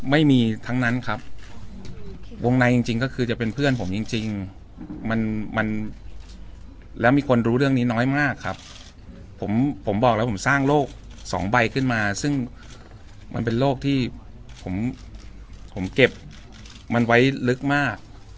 ไม่มีทั้งนั้นครับวงในจริงก็คือจะเป็นเพื่อนผมจริงมันมันแล้วมีคนรู้เรื่องนี้น้อยมากครับผมผมบอกแล้วผมสร้างโรคสองใบขึ้นมาซึ่งมันเป็นโรคที่ผมผมเก็บมันไว้ลึกมาก